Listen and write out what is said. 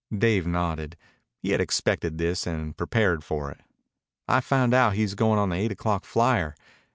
Dave nodded. He had expected this and prepared for it. "I've found out he's going on the eight o'clock flyer.